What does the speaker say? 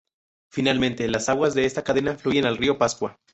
Finalmente las aguas de esta cadena fluyen al río Pascua.